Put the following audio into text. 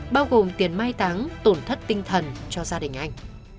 bao gồm tiền mai táng tổn thất tinh thần cho gia đình anh